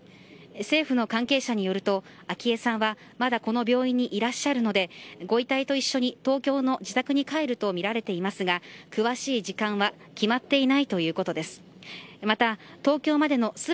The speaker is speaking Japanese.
政府の関係者によると昭恵さんはまだこの病院にいらっしゃるのでご遺体と一緒に東京の自宅に帰るとみられていますが詳しい時間は決まっていないということです。